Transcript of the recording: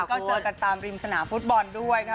ก็เจอกันตามริมสนามฟุตบอลด้วยนะคะ